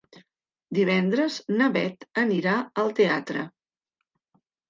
Divendres na Bet anirà al teatre.